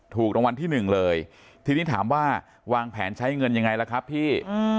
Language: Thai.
ถูกรางวัลที่หนึ่งเลยทีนี้ถามว่าวางแผนใช้เงินยังไงล่ะครับพี่